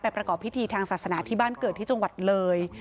ประกอบพิธีทางศาสนาที่บ้านเกิดที่จังหวัดเลย